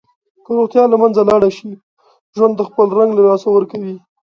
که روغتیا له منځه لاړه شي، ژوند خپل رنګ له لاسه ورکوي.